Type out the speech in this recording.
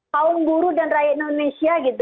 kaum buruh dan rakyat indonesia gitu